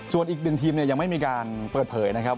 ส่วนอีกหนึ่งทีมยังไม่มีการเปิดเผยนะครับ